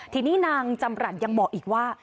ทีนี้นางจำรัฐยังบอกอีกว่า